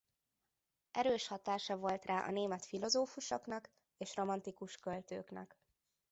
Erős hatása volt rá a német filozófusoknak és romantikus költőknek.